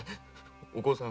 お甲さん